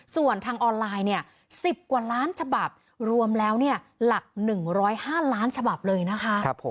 ส่วนทางออนไลน์๑๐กว่าล้านฉบับรวมแล้วหลัก๑๐๕ล้านฉบับเลยนะคะ